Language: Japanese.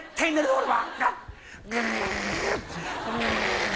俺は。